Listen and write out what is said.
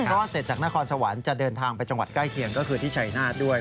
รอดเสร็จจากนครสวรรค์จะเดินทางไปจังหวัดใกล้เคียงก็คือที่ชัยนาธด้วย